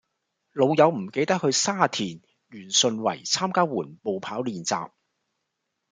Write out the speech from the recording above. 老友唔記得去沙田源順圍參加緩步跑練習